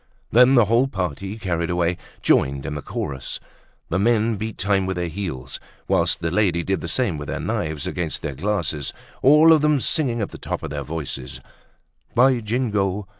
Then the whole party, carried away, joined in the chorus. The men beat time with their heels, whilst the ladies did the same with their knives against their glasses. All of them singing at the top of their voices: "By Jingo!